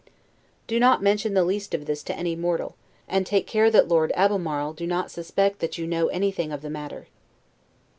Do not mention the least of this to any mortal; and take care that Lord Albemarle do not suspect that you know anything of the matter.